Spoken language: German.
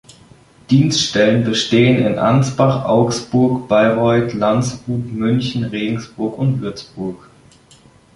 Dienststellen bestehen in Ansbach, Augsburg, Bayreuth, Landshut, München, Regensburg und Würzburg.